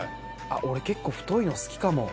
俺結構太いの好きかも。